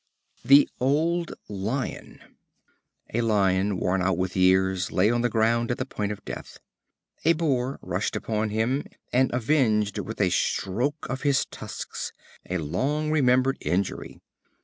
The Old Lion. A Lion, worn out with years, lay on the ground at the point of death. A Boar rushed upon him, and avenged with a stroke of his tusks a long remembered injury.